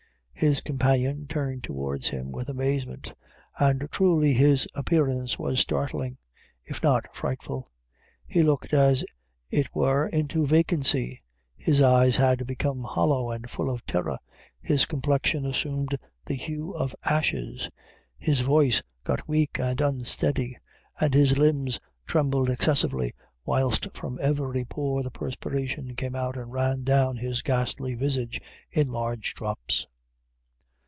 His companion turned towards him with amazement, and truly his appearance was startling, if not frightful; he looked as it were into vacancy; his eyes had become hollow and full of terror; his complexion assumed the hue of ashes; his voice got weak and unsteady, and his limbs trembled excessively, whilst from every pore the perspiration came out, and ran down his ghastly visage in large drops.